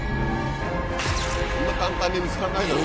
そんな簡単に見つかんないだろ。